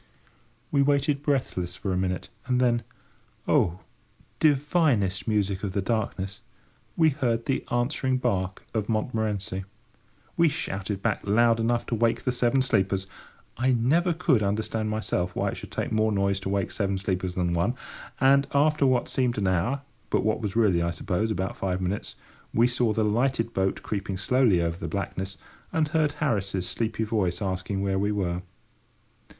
We waited breathless for a minute, and then—oh! divinest music of the darkness!—we heard the answering bark of Montmorency. We shouted back loud enough to wake the Seven Sleepers—I never could understand myself why it should take more noise to wake seven sleepers than one—and, after what seemed an hour, but what was really, I suppose, about five minutes, we saw the lighted boat creeping slowly over the blackness, and heard Harris's sleepy voice asking where we were.